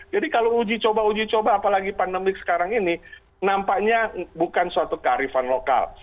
jadi kalau uji coba uji coba apalagi pandemik sekarang ini nampaknya bukan suatu karifan lokal